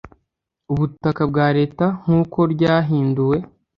ubutaka bwa leta nk uko ryahinduwe